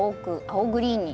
青グリーンに。